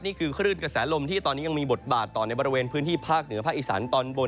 นี่คือคลื่นกระแสลมที่ตอนนี้ยังมีบทบาทต่อในบริเวณพื้นที่ภาคเหนือภาคอีสานตอนบน